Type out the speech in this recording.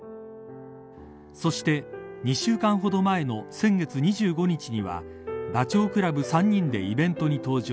そして２週間ほど前の先月２５日にはダチョウ倶楽部３人でイベントに登場。